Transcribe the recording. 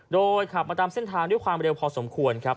โดยขับมาตามเส้นทางด้วยความเร็วพอสมควรครับ